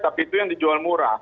tapi itu yang dijual murah